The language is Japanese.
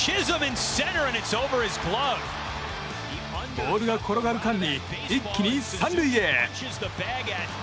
ボールが転がる間に一気に３塁へ。